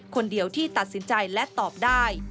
คนเดียวที่ตัดสินใจและตอบได้